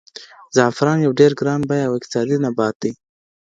زعفران یو ډېر ګران بیه او اقتصادي نبات دی.